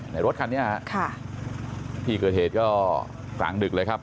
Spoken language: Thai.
รถคันนี้ฮะที่เกิดเหตุก็กลางดึกเลยครับ